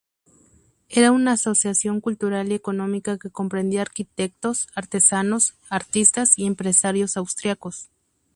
Era una asociación cultural y económica que comprendía arquitectos, artesanos, artistas y empresarios austríacos.